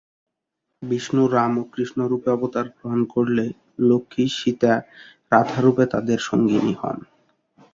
বিষ্ণু রাম ও কৃষ্ণ রূপে অবতার গ্রহণ করলে, লক্ষ্মী সীতা, রাধা রূপে তাঁদের সঙ্গিনী হন।